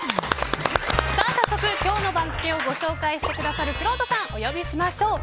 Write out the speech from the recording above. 早速今日の番付をご紹介してくださるくろうとさん、お呼びしましょう。